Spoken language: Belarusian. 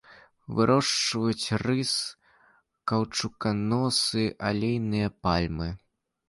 Вырошчваюць рыс, каўчуканосы, алейныя пальмы.